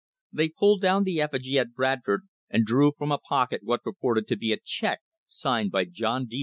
They pulled down the effigy at Bradford, and drew from a pocket what purported to be a check signed by John D.